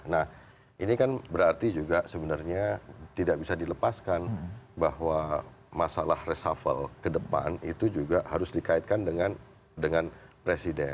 nah ini kan berarti juga sebenarnya tidak bisa dilepaskan bahwa masalah reshuffle ke depan itu juga harus dikaitkan dengan presiden